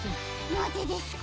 なぜですか？